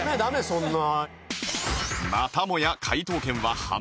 そんな。